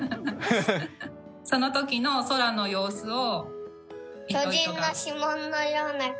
その時の空の様子を。